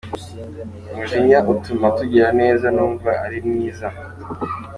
mujinya utuma tugira neza, numva ari mwiza.